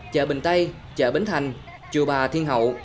chợ bình tây chợ bến thành chùa bà thiên hậu